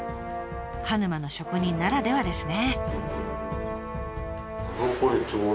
鹿沼の職人ならではですね。